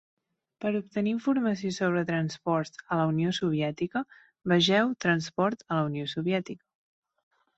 Per obtenir informació sobre transports a la Unió Soviètica, vegeu Transport a la Unió Soviètica.